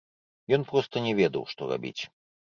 Ён проста не ведаў, што рабіць.